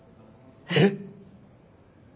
えっ？